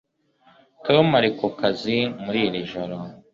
tom ari ku kazi muri iri joro